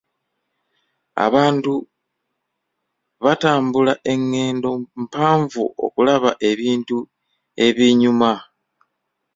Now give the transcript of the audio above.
Abantu batambula engendo mpanvu okulaba ebintu ebinyuma.